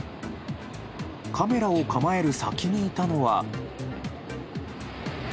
カメラを構える先にいたのは。